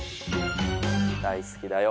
「大好きだよ」